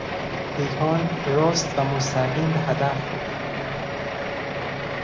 پیکان راست و مستقیم به هدف خورد.